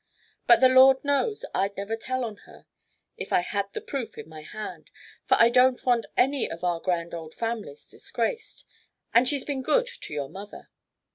But the Lord knows I'd never tell on her if I had the proof in my hand, for I don't want any of our grand old families disgraced, and she's been good to your mother.